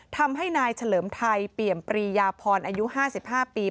ทำให้นายเฉลิมไทยเปี่ยมปรียาพรอายุ๕๕ปี